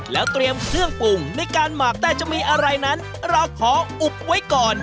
แล้วเตรียมเครื่องปรุงในการหมักแต่จะมีอะไรนั้นเราขออุบไว้ก่อน